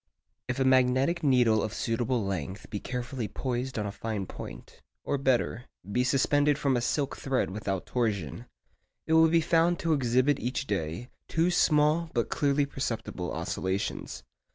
If a magnetic needle of suitable length be carefully poised on a fine point,—or better, be suspended from a silk thread without torsion,—it will be found to exhibit each day two small but clearly perceptible oscillations.